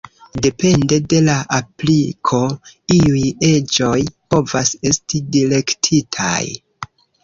Depende de la apliko, iuj eĝoj povas esti direktitaj.